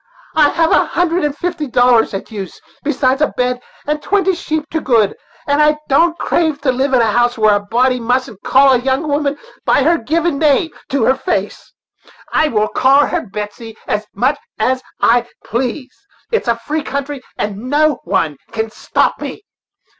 I have a hundred and fifty dollars at use, besides a bed and twenty sheep, to good; and I don't crave to live in a house where a body mustn't call a young woman by her given name to her face. I will call her Betsey as much as I please; it's a free country, and no one can stop me.